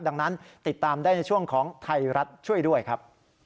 ดังนั้นติดตามได้ในช่วงของไทยรัฐช่วยด้วยครับ